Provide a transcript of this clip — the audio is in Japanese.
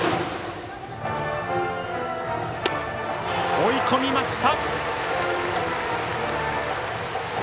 追い込みました。